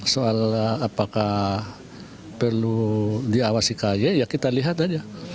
soal apakah perlu diawasi kay ya kita lihat aja